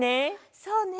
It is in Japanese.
そうね。